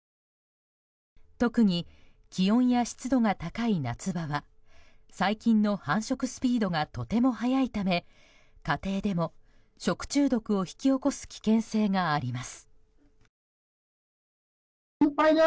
特に、気温や湿度が高い夏場は細菌の繁殖スピードがとても早いため家庭でも食中毒を引き起こす危険性があります。